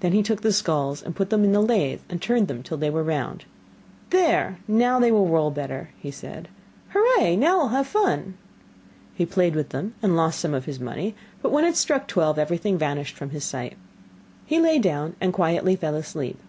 Then he took the skulls and put them in the lathe and turned them till they were round. 'There, now they will roll better!' said he. 'Hurrah! now we'll have fun!' He played with them and lost some of his money, but when it struck twelve, everything vanished from his sight. He lay down and quietly fell asleep.